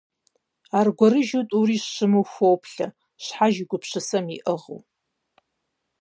Аргуэрыжьу тӀури щыму хоплъэ, щхьэж и гупсысэм иӀыгъыу.